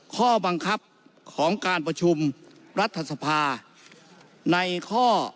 ข้อบังคับของการประชุมรัฐสภาในข้อ